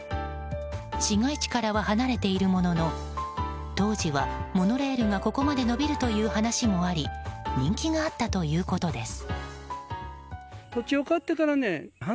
市街地からは離れているものの当時はモノレールがここまで延びるという話もあり人気があったということです。